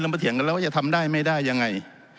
มาเถียงกันแล้วว่าจะทำได้ไม่ได้ยังไง